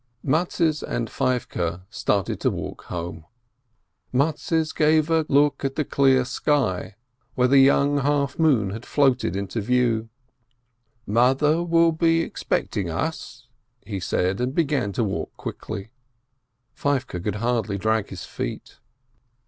Mattes and Feivke started to walk home. Mattes gave a look at the clear sky, where the young half COUNTKY FOLK 563 moon had floated into view. "Mother will be expect ing us," he said, and began to walk quickly. Feivke could hardly drag his feet.